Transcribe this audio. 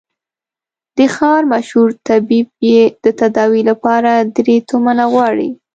د ښار مشهور طبيب يې د تداوي له پاره درې تومنه غواړي.